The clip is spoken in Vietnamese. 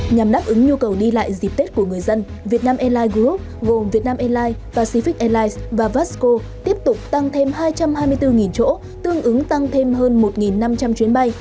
nhằm đáp ứng nhu cầu đi lại dịp tết của người dân việt nam airlines group gồm vietnam airlines pacific airlines và vasco tiếp tục tăng thêm hai trăm hai mươi bốn chỗ tương ứng tăng thêm hơn một năm trăm linh chuyến bay